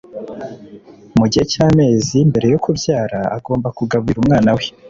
mu gihe cy amezi mbere yo kubyara agomba kugaburira umwanawe